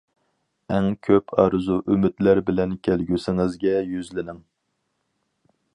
ئەڭ كۆپ ئارزۇ-ئۈمىدلەر بىلەن كەلگۈسىڭىزگە يۈزلىنىڭ.